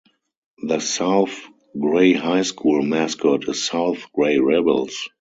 The South Gray High School mascot is South Gray Rebels.